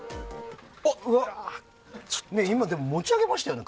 今、でも持ち上げましたよね。